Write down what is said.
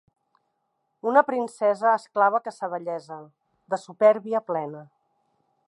Una princesa esclava que sa bellesa, de supèrbia plena